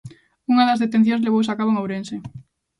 Unha das detencións levouse a cabo en Ourense.